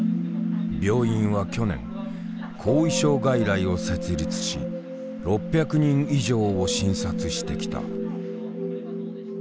病院は去年後遺症外来を設立し６００人以上を診察してきた。